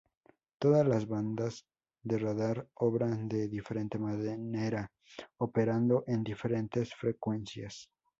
Todas las bandas de radar obran de diferente manera; operando en diferentes frecuencias.